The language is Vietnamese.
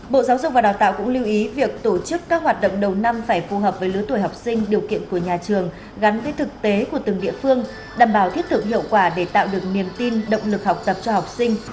bộ giáo dục và đào tạo cũng lưu ý việc tổ chức các hoạt động đầu năm phải phù hợp với lứa tuổi học sinh điều kiện của nhà trường gắn với thực tế của từng địa phương đảm bảo thiết thực hiệu quả để tạo được niềm tin động lực học tập cho học sinh